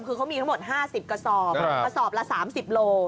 คือเขามีทั้งหมด๕๐กระสอบกระสอบละ๓๐โล